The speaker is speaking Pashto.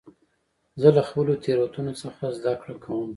زه له خپلو تېروتنو څخه زدهکړه کوم.